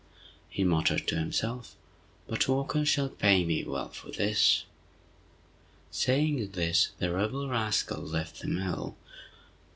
he muttered to himself, "but Walker shall pay me well for this!" Saying this the rebel rascal left the mill.